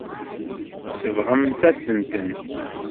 Tsebɣemt-asent-ten.